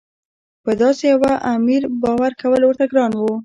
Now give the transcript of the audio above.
په داسې یوه امیر باور کول ورته ګران وو.